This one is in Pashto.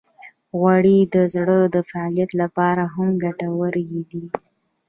غوړې د زړه د فعالیت لپاره هم ګټورې دي.